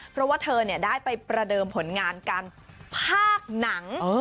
เพราะว่าเธอได้ไปประเดิมผลงานการภาคหนัง